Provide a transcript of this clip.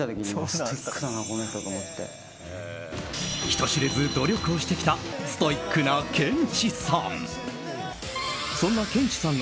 人知れず努力をしてきたストイックなケンチさん。